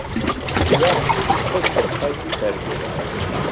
Уахь схы сырхеит саргьы.